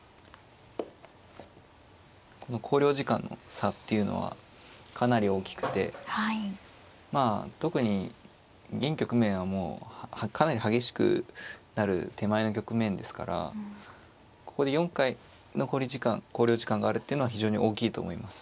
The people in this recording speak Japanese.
この考慮時間の差っていうのはかなり大きくてまあ特に現局面はもうかなり激しくなる手前の局面ですからここで４回残り時間考慮時間があるっていうのは非常に大きいと思います。